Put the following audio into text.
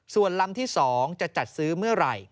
ส่วนลำที่๒จะจัดซื้อเมื่อไหร่